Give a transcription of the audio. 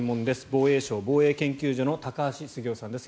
防衛省防衛研究所の高橋杉雄さんです。